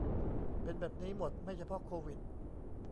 เป็นแบบนี้หมด ไม่เฉพาะโควิด